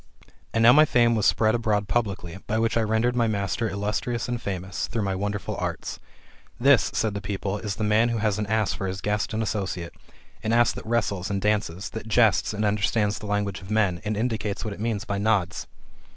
And now my fame was spread abroad publicly, by which I rendered my master illustrious and famous, through my wonder ful arts. This, said the people, is the man who has an ass for his guest and associate ; an ass that wrestles and dances, that jests, and understands the language of men, and indicates what it means by nods.